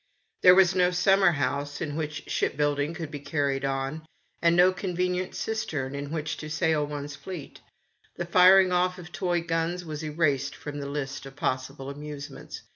A CHILD. 23 There was no summerhouse in which ship building could be carried on, and no con venient cistern in which to sail one's fleet. The firing off of toy guns was erased from the list of possible amusements.